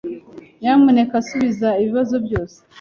Nyamuneka subiza ibibazo byose.